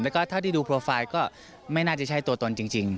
แล้วก็เท่าที่ดูโปรไฟล์ก็ไม่น่าจะใช่ตัวตนจริง